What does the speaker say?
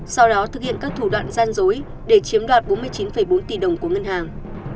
sau đó thực hiện các thủ đoạn gian dối để chiếm đoạt bốn mươi chín bốn tỷ đồng của ngân hàng